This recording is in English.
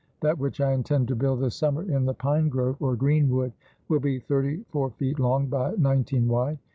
That which I intend to build this summer in the pine grove (or green wood) will be thirty four feet long by nineteen wide.